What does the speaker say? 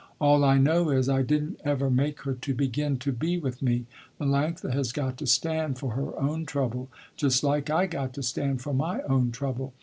All I know is I didn't ever make her to begin to be with me. Melanctha has got to stand for her own trouble, just like I got to stand for my own trouble.